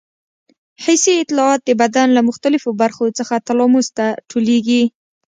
حسي اطلاعات د بدن له مختلفو برخو څخه تلاموس ته ټولېږي.